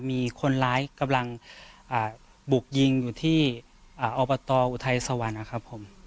มีคนร้ายกำลังบุกยิงอยู่ที่อบตอุทัยสวรรค์นะครับผม